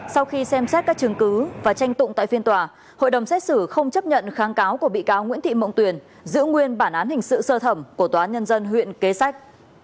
sau khi xem xét các chứng cứ và tranh tụng tại phiên tòa hội đồng xét xử không chấp nhận kháng cáo của bị cáo nguyễn thị mộng tuyền giữ nguyên bản án hình sự sơ thẩm của tòa nhân dân huyện kế sách